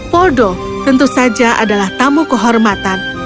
poldo tentu saja adalah tamu kehormatan